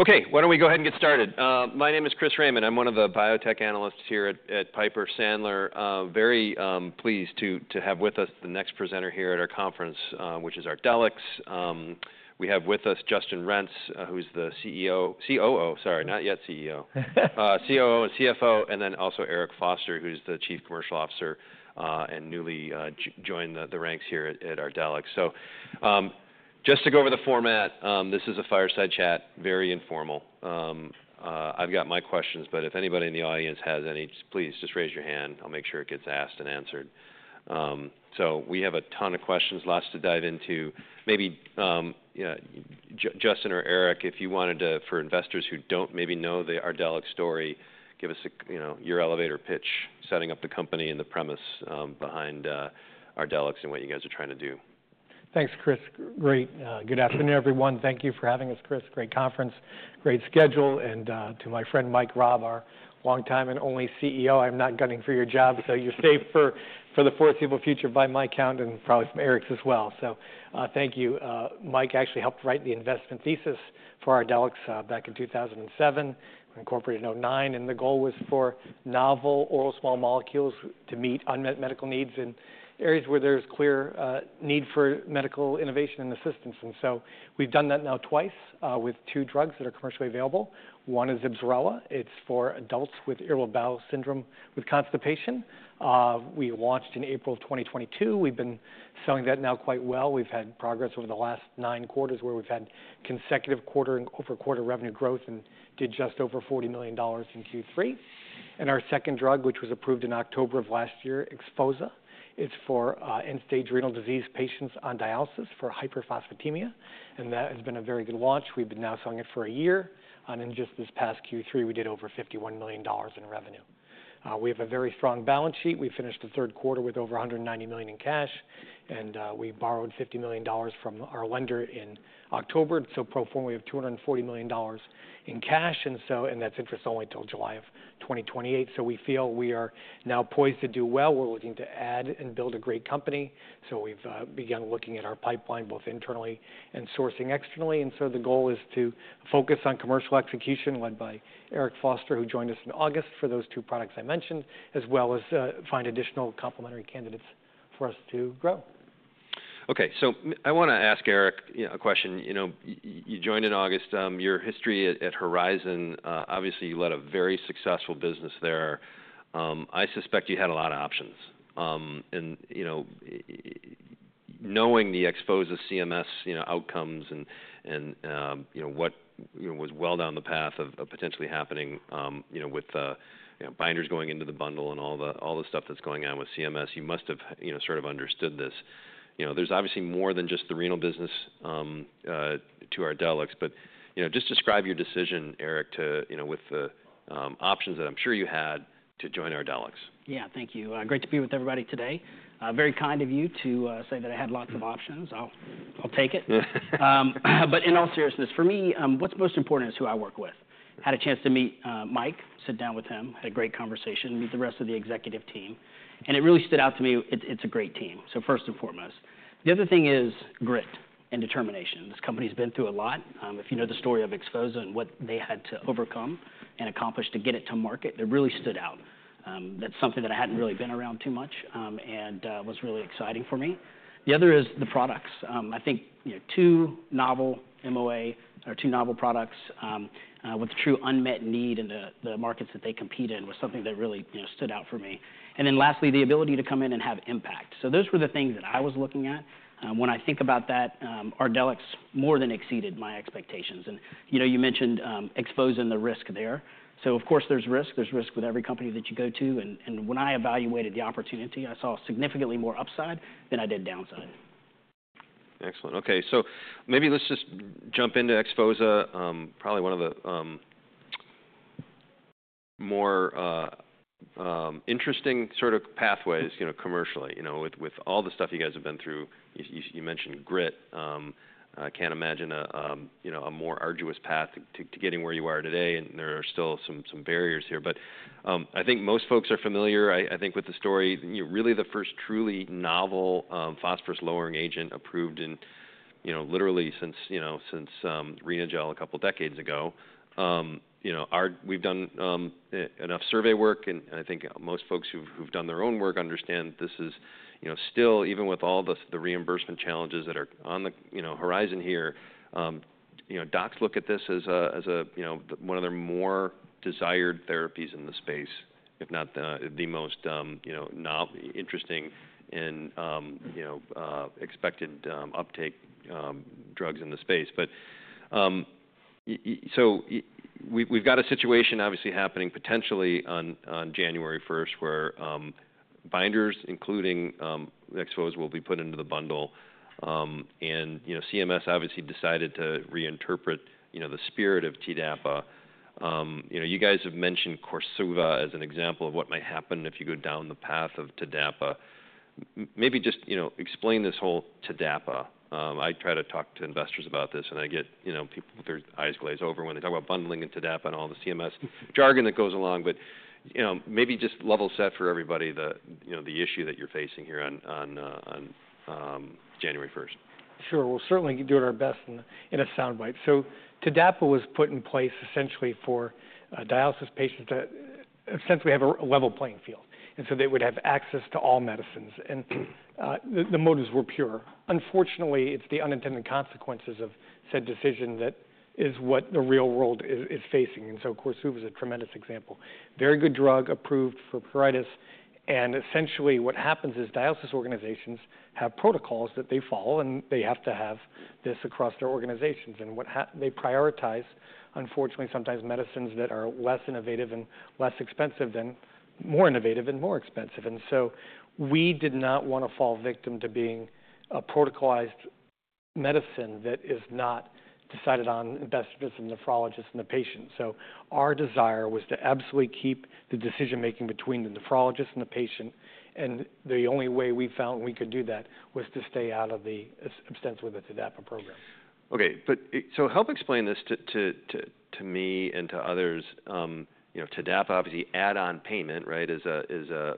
Okay, why don't we go ahead and get started. My name is Chris Raymond. I'm one of the biotech analysts here at Piper Sandler. Very pleased to have with us the next presenter here at our conference, which is Ardelyx. We have with us Justin Renz, who's the COO-sorry, not yet CEO-COO and CFO, and then also Eric Foster, who's the Chief Commercial Officer and newly joined the ranks here at Ardelyx. So just to go over the format, this is a fireside chat, very informal. I've got my questions, but if anybody in the audience has any, please just raise your hand. I'll make sure it gets asked and answered. So we have a ton of questions, lots to dive into. Maybe Justin or Eric, if you wanted to, for investors who don't maybe know the Ardelyx story, give us your elevator pitch, setting up the company and the premise behind Ardelyx and what you guys are trying to do. Thanks, Chris. Great. Good afternoon, everyone. Thank you for having us, Chris. Great conference, great schedule. And to my friend Mike Raab, our longtime and only CEO, I'm not gunning for your job, so you're safe for the foreseeable future by my count and probably from Eric's as well. So thank you. Mike actually helped write the investment thesis for Ardelyx back in 2007. We incorporated in 2009, and the goal was for novel oral small molecules to meet unmet medical needs in areas where there's clear need for medical innovation and assistance. And so we've done that now twice with two drugs that are commercially available. One is IBSRELA. It's for adults with irritable bowel syndrome with constipation. We launched in April 2022. We've been selling that now quite well. We've had progress over the last nine quarters where we've had consecutive quarter-over-quarter revenue growth and did just over $40 million in Q3. Our second drug, which was approved in October of last year, XPHOZAH, is for end-stage renal disease patients on dialysis for hyperphosphatemia. That has been a very good launch. We've been now selling it for a year. In just this past Q3, we did over $51 million in revenue. We have a very strong balance sheet. We finished the third quarter with over $190 million in cash, and we borrowed $50 million from our lender in October. Pro forma, we have $240 million in cash, and that's interest only till July of 2028. We feel we are now poised to do well. We're looking to add and build a great company. We've begun looking at our pipeline both internally and sourcing externally. And so the goal is to focus on commercial execution led by Eric Foster, who joined us in August for those two products I mentioned, as well as find additional complementary candidates for us to grow. Okay, so I want to ask Eric a question. You joined in August. Your history at Horizon, obviously you led a very successful business there. I suspect you had a lot of options. And knowing the XPHOZAH CMS outcomes and what was well down the path of potentially happening with binders going into the bundle and all the stuff that's going on with CMS, you must have sort of understood this. There's obviously more than just the renal business to Ardelyx, but just describe your decision, Eric, with the options that I'm sure you had to join Ardelyx. Yeah, thank you. Great to be with everybody today. Very kind of you to say that I had lots of options. I'll take it. But in all seriousness, for me, what's most important is who I work with. Had a chance to meet Mike, sit down with him, had a great conversation, meet the rest of the executive team, and it really stood out to me, it's a great team. So first and foremost. The other thing is grit and determination. This company's been through a lot. If you know the story of XPHOZAH and what they had to overcome and accomplish to get it to market, it really stood out. That's something that I hadn't really been around too much and was really exciting for me. The other is the products. I think two novel MOA or two novel products with true unmet need in the markets that they compete in was something that really stood out for me. And then lastly, the ability to come in and have impact. So those were the things that I was looking at. When I think about that, Ardelyx more than exceeded my expectations. And you mentioned XPHOZAH and the risk there. So of course there's risk. There's risk with every company that you go to. And when I evaluated the opportunity, I saw significantly more upside than I did downside. Excellent. Okay, so maybe let's just jump into XPHOZAH, probably one of the more interesting sort of pathways commercially. With all the stuff you guys have been through, you mentioned grit. I can't imagine a more arduous path to getting where you are today. And there are still some barriers here. But I think most folks are familiar, I think, with the story. Really the first truly novel phosphorus-lowering agent approved in literally since Renagel a couple of decades ago. We've done enough survey work, and I think most folks who've done their own work understand this is still, even with all the reimbursement challenges that are on the horizon here, docs look at this as one of their more desired therapies in the space, if not the most interesting and expected uptake drugs in the space. So we've got a situation obviously happening potentially on January 1st where binders, including XPHOZAH, will be put into the bundle. And CMS obviously decided to reinterpret the spirit of TDAPA. You guys have mentioned KORSUVA as an example of what might happen if you go down the path of TDAPA. Maybe just explain this whole TDAPA. I try to talk to investors about this, and I get people with their eyes glaze over when they talk about bundling and TDAPA and all the CMS jargon that goes along. But maybe just level set for everybody the issue that you're facing here on January 1st. Sure. We'll certainly do our best in a sound bite, so TDAPA was put in place essentially for dialysis patients that, since we have a level playing field, and so they would have access to all medicines, and the motives were pure. Unfortunately, it's the unintended consequences of said decision that is what the real world is facing, and so KORSUVA is a tremendous example. Very good drug approved for pruritus, and essentially what happens is dialysis organizations have protocols that they follow, and they have to have this across their organizations, and they prioritize, unfortunately, sometimes medicines that are less innovative and less expensive than more innovative and more expensive, and so we did not want to fall victim to being a protocolized medicine that is not decided on investors and nephrologists and the patient. So our desire was to absolutely keep the decision-making between the nephrologist and the patient. And the only way we found we could do that was to stay out of the ESRD with the TDAPA program. Okay, but so, help explain this to me and to others. TDAPA, obviously add-on payment, right, is a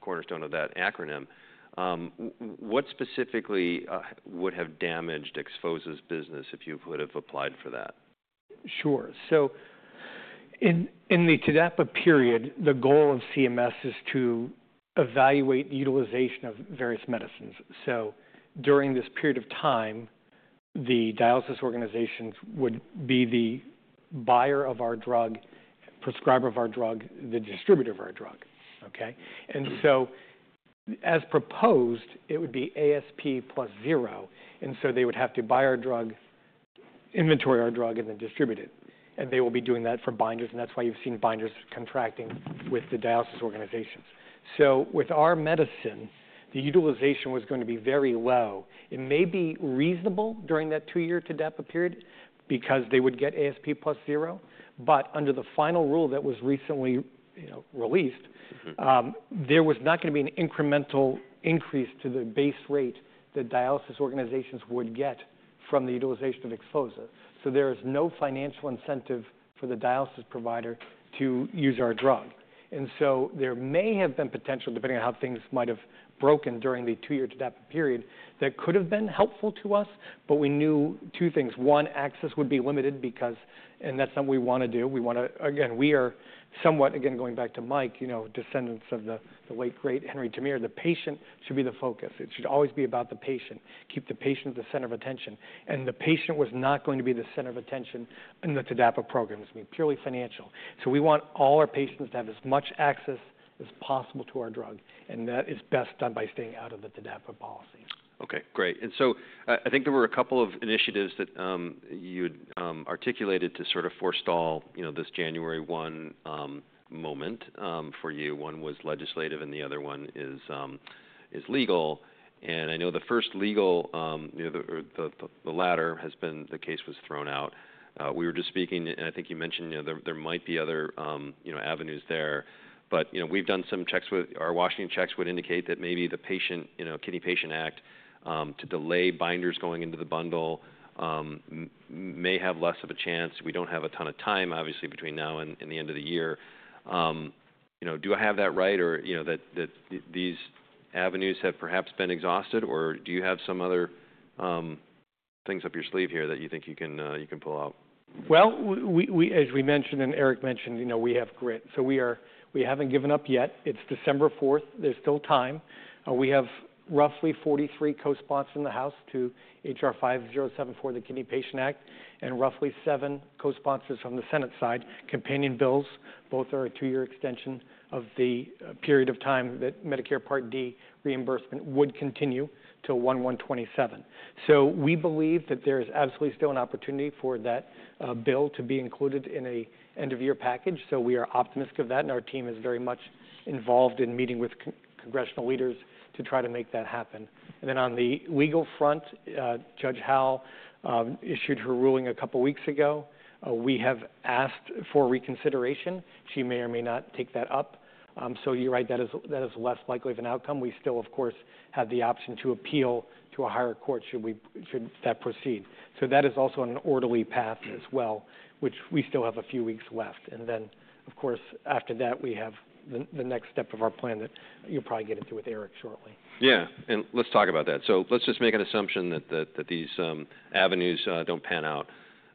cornerstone of that acronym. What specifically would have damaged XPHOZAH's business if you would have applied for that? Sure. So in the TDAPA period, the goal of CMS is to evaluate the utilization of various medicines. So during this period of time, the dialysis organizations would be the buyer of our drug, prescriber of our drug, the distributor of our drug. Okay? And so as proposed, it would be ASP plus zero. And so they would have to buy our drug, inventory our drug, and then distribute it. And they will be doing that for binders. And that's why you've seen binders contracting with the dialysis organizations. So with our medicine, the utilization was going to be very low. It may be reasonable during that two-year TDAPA period because they would get ASP plus zero. But under the final rule that was recently released, there was not going to be an incremental increase to the base rate that dialysis organizations would get from the utilization of XPHOZAH. So there is no financial incentive for the dialysis provider to use our drug. And so there may have been potential, depending on how things might have broken during the two-year TDAPA period, that could have been helpful to us. But we knew two things. One, access would be limited because, and that's not what we want to do. We want to, again, we are somewhat, again, going back to Mike, descendants of the late great Henri Termeer. The patient should be the focus. It should always be about the patient. Keep the patient at the center of attention. And the patient was not going to be the center of attention in the TDAPA program. It was purely financial. So we want all our patients to have as much access as possible to our drug. And that is best done by staying out of the TDAPA policy. Okay, great. And so I think there were a couple of initiatives that you had articulated to sort of forestall this January 1 moment for you. One was legislative and the other one is legal. And I know the first legal, the latter has been the case was thrown out. We were just speaking, and I think you mentioned there might be other avenues there. But we've done some checks with our Washington checks would indicate that maybe the Kidney Patient Act to delay binders going into the bundle may have less of a chance. We don't have a ton of time, obviously, between now and the end of the year. Do I have that right? Or that these avenues have perhaps been exhausted? Or do you have some other things up your sleeve here that you think you can pull out? As we mentioned and Eric mentioned, we have grit. We haven't given up yet. It's December 4th. There's still time. We have roughly 43 co-sponsors in the House to HR 5074, the Kidney Patient Act, and roughly seven co-sponsors from the Senate side, companion bills. Both are a two-year extension of the period of time that Medicare Part D reimbursement would continue till 1/1/2027. We believe that there is absolutely still an opportunity for that bill to be included in an end-of-year package. We are optimistic of that. Our team is very much involved in meeting with congressional leaders to try to make that happen. Then on the legal front, Judge Howell issued her ruling a couple of weeks ago. We have asked for reconsideration. She may or may not take that up. You're right, that is less likely of an outcome. We still, of course, have the option to appeal to a higher court should that proceed, so that is also an orderly path as well, which we still have a few weeks left, and then, of course, after that, we have the next step of our plan that you'll probably get into with Eric shortly. Yeah. And let's talk about that. So let's just make an assumption that these avenues don't pan out.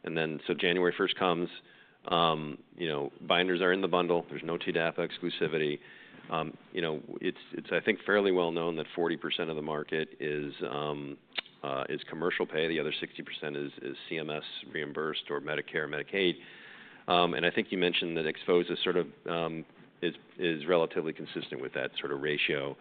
And then so January 1st comes. Binders are in the bundle. There's no TDAPA exclusivity. It's, I think, fairly well known that 40% of the market is commercial pay. The other 60% is CMS reimbursed or Medicare and Medicaid. And I think you mentioned that XPHOZAH sort of is relatively consistent with that sort of ratio.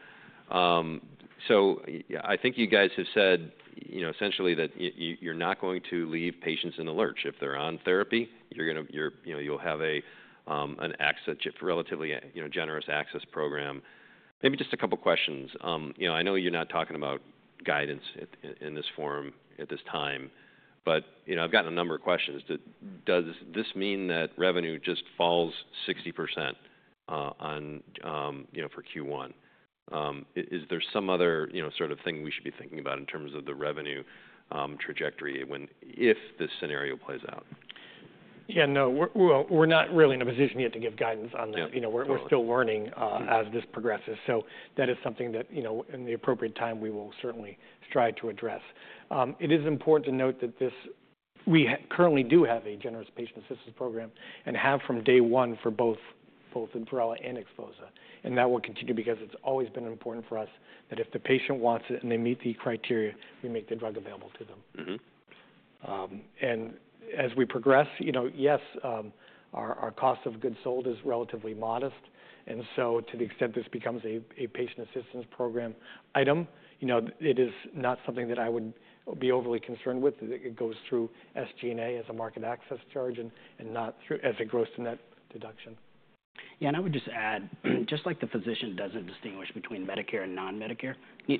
So I think you guys have said essentially that you're not going to leave patients in the lurch. If they're on therapy, you'll have a relatively generous access program. Maybe just a couple of questions. I know you're not talking about guidance in this forum at this time, but I've gotten a number of questions. Does this mean that revenue just falls 60% for Q1? Is there some other sort of thing we should be thinking about in terms of the revenue trajectory if this scenario plays out? Yeah, no, we're not really in a position yet to give guidance on that. We're still learning as this progresses. So that is something that, in the appropriate time, we will certainly strive to address. It is important to note that we currently do have a generous patient assistance program and have from day one for both IBSRELA and XPHOZAH. And that will continue because it's always been important for us that if the patient wants it and they meet the criteria, we make the drug available to them. And as we progress, yes, our cost of goods sold is relatively modest. And so to the extent this becomes a patient assistance program item, it is not something that I would be overly concerned with. It goes through SG&A as a market access charge and not as a gross-to-net deduction. Yeah, and I would just add, just like the physician doesn't distinguish between Medicare and non-Medicare,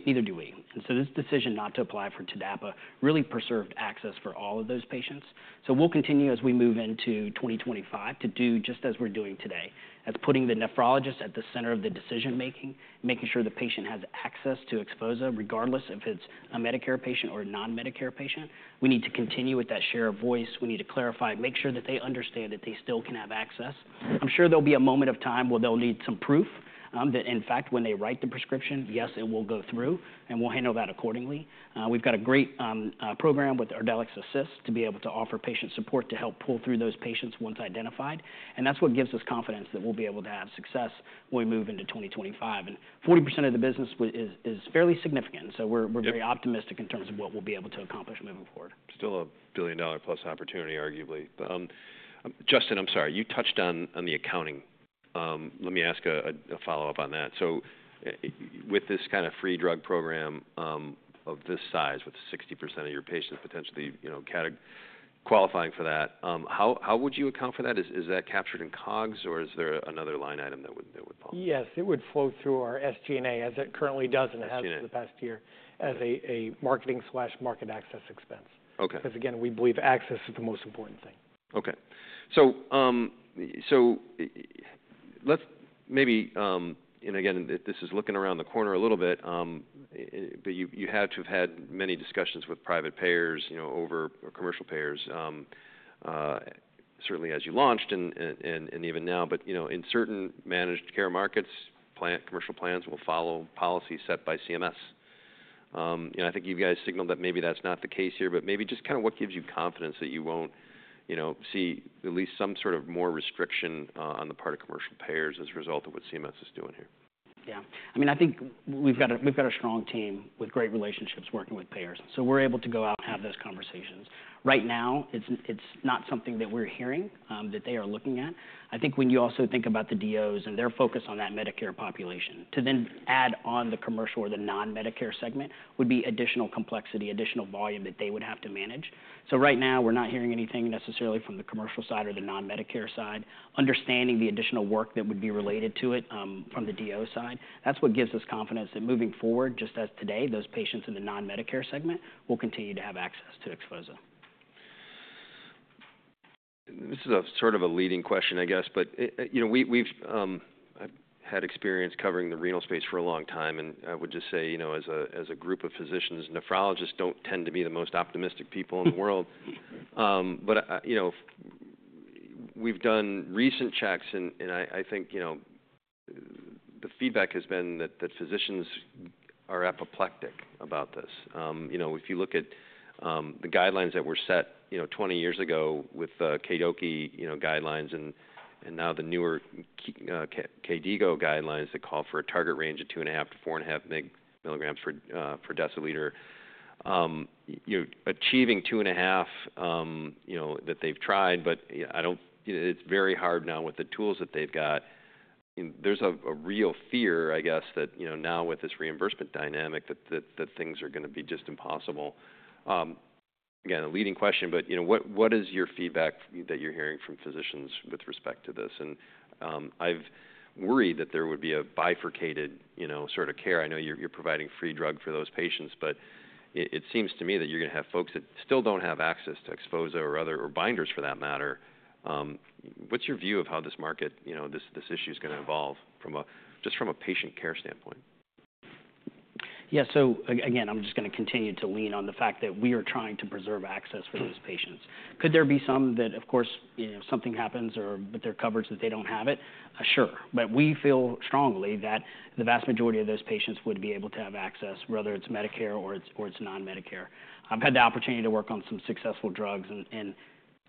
neither do we. And so this decision not to apply for TDAPA really preserved access for all of those patients. So we'll continue as we move into 2025 to do just as we're doing today, as putting the nephrologist at the center of the decision-making, making sure the patient has access to XPHOZAH regardless if it's a Medicare patient or a non-Medicare patient. We need to continue with that share of voice. We need to clarify, make sure that they understand that they still can have access. I'm sure there'll be a moment of time where they'll need some proof that, in fact, when they write the prescription, yes, it will go through, and we'll handle that accordingly. We've got a great program with Ardelyx Assist to be able to offer patient support to help pull through those patients once identified, and that's what gives us confidence that we'll be able to have success when we move into 2025, and 40% of the business is fairly significant, so we're very optimistic in terms of what we'll be able to accomplish moving forward. Still a billion-dollar-plus opportunity, arguably. Justin, I'm sorry, you touched on the accounting. Let me ask a follow-up on that. So with this kind of free drug program of this size with 60% of your patients potentially qualifying for that, how would you account for that? Is that captured in COGS, or is there another line item that would fall? Yes, it would flow through our SG&A as it currently does and has for the past year as a marketing/market access expense. Because again, we believe access is the most important thing. Okay. So let's maybe, and again, this is looking around the corner a little bit, but you have to have had many discussions with private payers over commercial payers, certainly as you launched and even now. But in certain managed care markets, commercial plans will follow policies set by CMS. I think you guys signaled that maybe that's not the case here. But maybe just kind of what gives you confidence that you won't see at least some sort of more restriction on the part of commercial payers as a result of what CMS is doing here? Yeah. I mean, I think we've got a strong team with great relationships working with payers. So we're able to go out and have those conversations. Right now, it's not something that we're hearing that they are looking at. I think when you also think about the DOs and their focus on that Medicare population, to then add on the commercial or the non-Medicare segment would be additional complexity, additional volume that they would have to manage. So right now, we're not hearing anything necessarily from the commercial side or the non-Medicare side. Understanding the additional work that would be related to it from the DO side, that's what gives us confidence that moving forward, just as today, those patients in the non-Medicare segment will continue to have access to XPHOZAH. This is sort of a leading question, I guess. But I've had experience covering the renal space for a long time. And I would just say, as a group of physicians, nephrologists don't tend to be the most optimistic people in the world. But we've done recent checks. And I think the feedback has been that physicians are apoplectic about this. If you look at the guidelines that were set 20 years ago with the KDOQI guidelines and now the newer KDIGO guidelines that call for a target range of 2.5-4.5 milligrams per deciliter, achieving 2.5, that they've tried. But it's very hard now with the tools that they've got. There's a real fear, I guess, that now with this reimbursement dynamic, that things are going to be just impossible. Again, a leading question. But what is your feedback that you're hearing from physicians with respect to this? I've worried that there would be a bifurcated sort of care. I know you're providing free drug for those patients. It seems to me that you're going to have folks that still don't have access to XPHOZAH or binders for that matter. What's your view of how this market, this issue is going to evolve just from a patient care standpoint? Yeah. So again, I'm just going to continue to lean on the fact that we are trying to preserve access for those patients. Could there be some that, of course, something happens, but they're covered so that they don't have it? Sure. But we feel strongly that the vast majority of those patients would be able to have access, whether it's Medicare or it's non-Medicare. I've had the opportunity to work on some successful drugs. And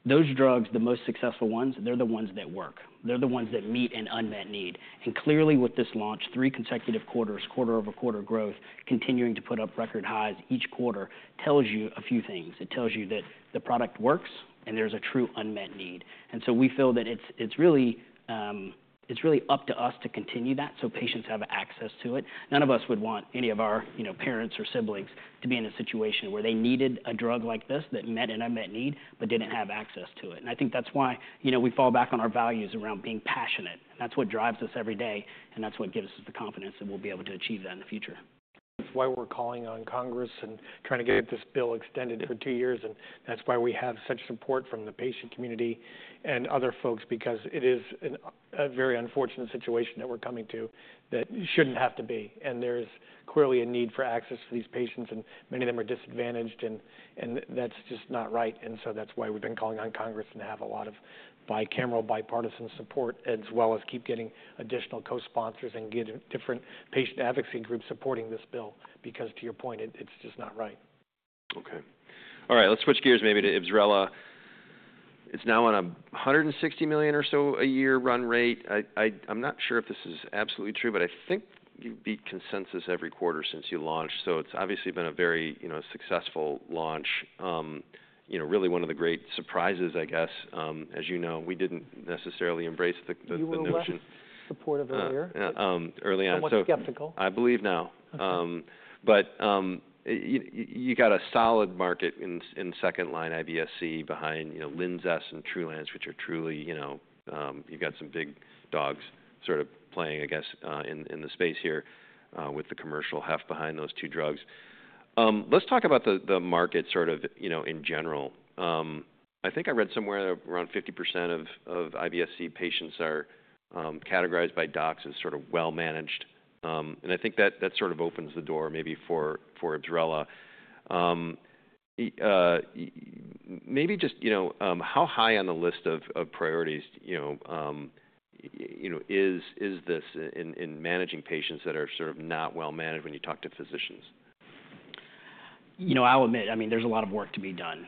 those drugs, the most successful ones, they're the ones that work. They're the ones that meet an unmet need. And clearly, with this launch, three consecutive quarters, quarter over quarter growth, continuing to put up record highs each quarter tells you a few things. It tells you that the product works and there's a true unmet need. And so we feel that it's really up to us to continue that so patients have access to it. None of us would want any of our parents or siblings to be in a situation where they needed a drug like this that met an unmet need but didn't have access to it. And I think that's why we fall back on our values around being passionate. And that's what drives us every day. And that's what gives us the confidence that we'll be able to achieve that in the future. That's why we're calling on Congress and trying to get this bill extended for two years. And that's why we have such support from the patient community and other folks because it is a very unfortunate situation that we're coming to that shouldn't have to be. And there's clearly a need for access for these patients. And many of them are disadvantaged. And that's just not right. And so that's why we've been calling on Congress and have a lot of bicameral bipartisan support as well as keep getting additional co-sponsors and get different patient advocacy groups supporting this bill because, to your point, it's just not right. Okay. All right. Let's switch gears maybe to IBSRELA. It's now on a $160 million or so a year run rate. I'm not sure if this is absolutely true, but I think you beat consensus every quarter since you launched. So it's obviously been a very successful launch. Really one of the great surprises, I guess. As you know, we didn't necessarily embrace the notion. You were less supportive earlier. Early on. Or more skeptical. I believe now. But you got a solid market in second line IBS-C behind Linzess and Trulance, which are truly you've got some big dogs sort of playing, I guess, in the space here with the commercial heft behind those two drugs. Let's talk about the market sort of in general. I think I read somewhere around 50% of IBS-C patients are categorized by docs as sort of well-managed. And I think that sort of opens the door maybe for IBSRELA. Maybe just how high on the list of priorities is this in managing patients that are sort of not well-managed when you talk to physicians? You know, I'll admit, I mean, there's a lot of work to be done.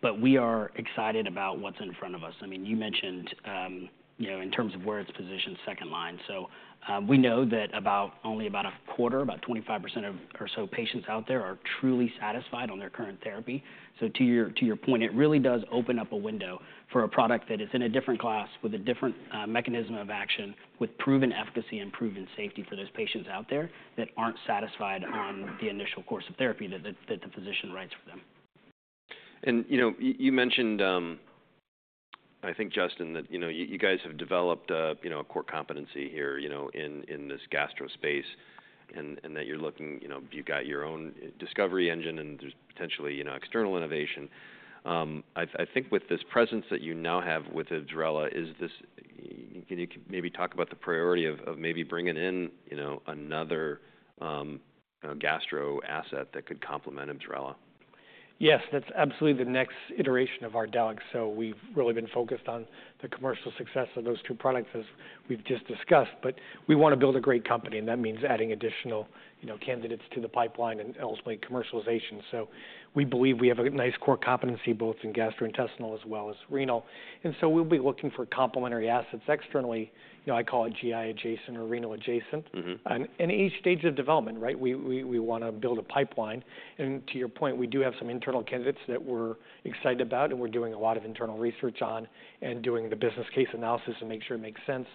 But we are excited about what's in front of us. I mean, you mentioned in terms of where it's positioned second line. So we know that only about a quarter, about 25% or so patients out there are truly satisfied on their current therapy. So to your point, it really does open up a window for a product that is in a different class with a different mechanism of action with proven efficacy and proven safety for those patients out there that aren't satisfied on the initial course of therapy that the physician writes for them. You mentioned, I think, Justin, that you guys have developed a core competency here in this gastro space and that you're looking. You've got your own discovery engine and there's potentially external innovation. I think with this presence that you now have with IBSRELA, can you maybe talk about the priority of maybe bringing in another gastro asset that could complement IBSRELA? Yes, that's absolutely the next iteration of Ardelyx. So we've really been focused on the commercial success of those two products as we've just discussed. But we want to build a great company. And that means adding additional candidates to the pipeline and ultimately commercialization. So we believe we have a nice core competency both in gastrointestinal as well as renal. And so we'll be looking for complementary assets externally. I call it GI adjacent or renal adjacent. And in each stage of development, right, we want to build a pipeline. And to your point, we do have some internal candidates that we're excited about and we're doing a lot of internal research on and doing the business case analysis to make sure it makes sense.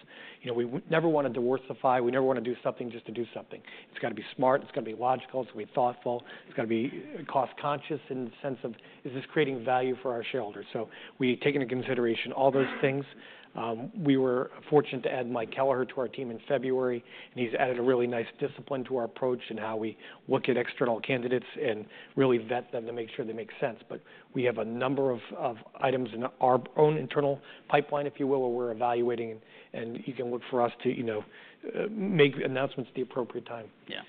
We never want to diversify. We never want to do something just to do something. It's got to be smart. It's got to be logical. It's got to be thoughtful. It's got to be cost-conscious in the sense of, is this creating value for our shareholders? So we've taken into consideration all those things. We were fortunate to add Mike Kelleher to our team in February. And he's added a really nice discipline to our approach and how we look at external candidates and really vet them to make sure they make sense. But we have a number of items in our own internal pipeline, if you will, where we're evaluating. And you can look for us to make announcements at the appropriate time. Yeah.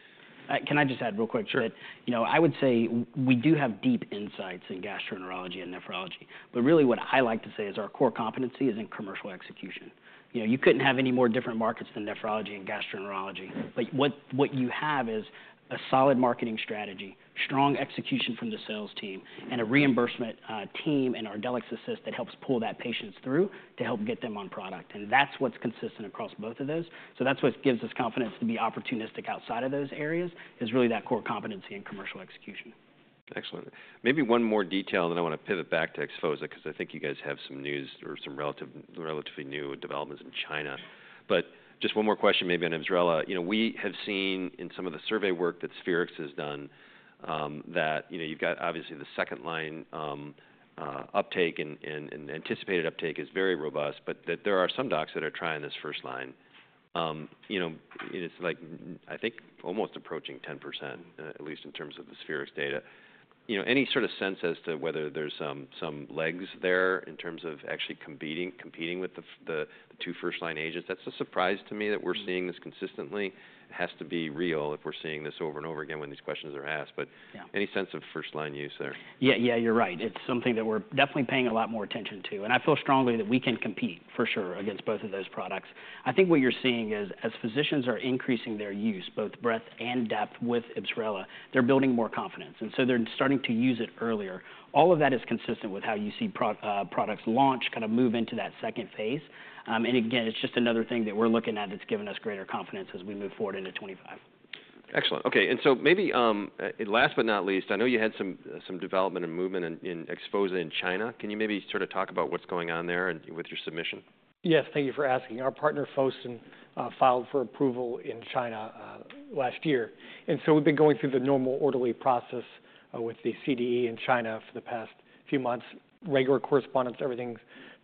Can I just add real quick that I would say we do have deep insights in gastroenterology and nephrology. But really what I like to say is our core competency is in commercial execution. You couldn't have any more different markets than nephrology and gastroenterology. But what you have is a solid marketing strategy, strong execution from the sales team, and a reimbursement team and Ardelyx Assist that helps pull that patient through to help get them on product. And that's what's consistent across both of those. So that's what gives us confidence to be opportunistic outside of those areas is really that core competency and commercial execution. Excellent. Maybe one more detail that I want to pivot back to XPHOZAH because I think you guys have some news or some relatively new developments in China. But just one more question maybe on IBSRELA. We have seen in some of the survey work that Spherix has done that you've got obviously the second line uptake and anticipated uptake is very robust, but that there are some docs that are trying this first line. It's like, I think, almost approaching 10%, at least in terms of the Spherix data. Any sort of sense as to whether there's some legs there in terms of actually competing with the two first line agents? That's a surprise to me that we're seeing this consistently. It has to be real if we're seeing this over and over again when these questions are asked. But any sense of first line use there? Yeah, yeah, you're right. It's something that we're definitely paying a lot more attention to. And I feel strongly that we can compete for sure against both of those products. I think what you're seeing is as physicians are increasing their use, both breadth and depth with IBSRELA, they're building more confidence. And so they're starting to use it earlier. All of that is consistent with how you see products launch kind of move into that second phase. And again, it's just another thing that we're looking at that's given us greater confidence as we move forward into 2025. Excellent. Okay. And so maybe last but not least, I know you had some development and movement in XPHOZAH in China. Can you maybe sort of talk about what's going on there with your submission? Yes, thank you for asking. Our partner Fosun filed for approval in China last year, and so we've been going through the normal orderly process with the CDE in China for the past few months. Regular correspondence, everything's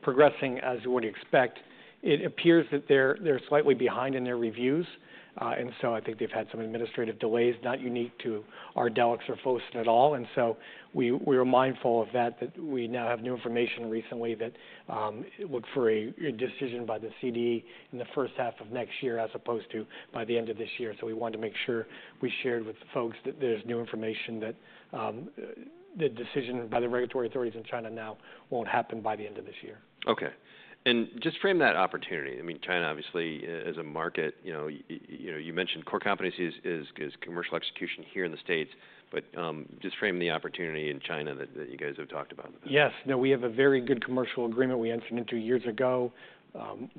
progressing as you would expect. It appears that they're slightly behind in their reviews, and so I think they've had some administrative delays not unique to Ardelyx or Fosun at all, and so we were mindful of that, that we now have new information recently that look for a decision by the CDE in the first half of next year as opposed to by the end of this year, so we wanted to make sure we shared with the folks that there's new information that the decision by the regulatory authorities in China now won't happen by the end of this year. Okay, and just frame that opportunity. I mean, China obviously is a market. You mentioned core competency is commercial execution here in the States, but just frame the opportunity in China that you guys have talked about. Yes. No, we have a very good commercial agreement. We entered into years ago,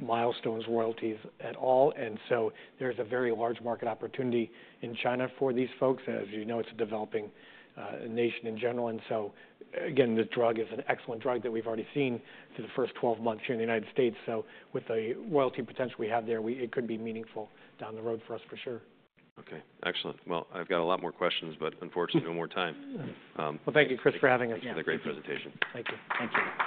milestones, royalties at all. And so there's a very large market opportunity in China for these folks. As you know, it's a developing nation in general. And so again, this drug is an excellent drug that we've already seen through the first 12 months here in the United States. So with the royalty potential we have there, it could be meaningful down the road for us for sure. Okay. Excellent. Well, I've got a lot more questions, but unfortunately, no more time. Thank you, Chris, for having us. Yeah, the great presentation. Thank you. Thank you.